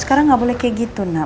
sekarang gak boleh kayak gitu nak